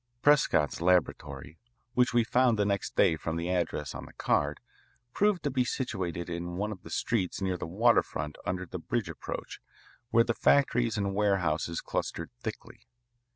Prescott's laboratory, which we found the next day from the address on the card, proved to be situated in one of the streets near the waterfront under the bridge approach, where the factories and warehouses clustered thickly.